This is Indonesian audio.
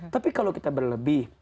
tapi kalau kita berlebih